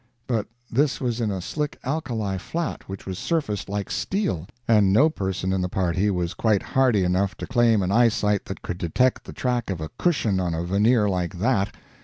But this was in a slick alkali flat which was surfaced like steel, and no person in the party was quite hardy enough to claim an eyesight that could detect the track of a cushion on a veneer like that.